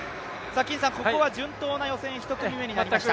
ここは順当な予選１組目になりました。